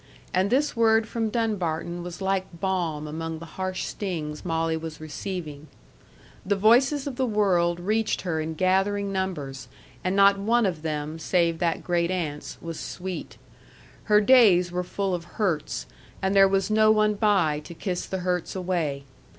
And this word from Dunbarton was like balm among the harsh stings Molly was receiving. The voices of the world reached her in gathering numbers, and not one of them save that great aunt's was sweet. Her days were full of hurts; and there was no one by to kiss the hurts away.